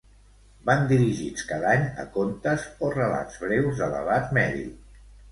Van dirigits cada any a contes o relats breus d'elevat mèrit.